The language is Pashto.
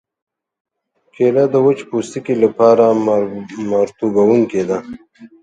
کېله د وچ پوستکي لپاره مرطوبوونکې ده.